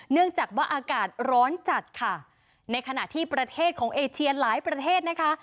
เนื่องจากว่าอากาศร้อนจัดค่ะในขณะที่ประเทศของเอเชียหลายประเทศนะคะ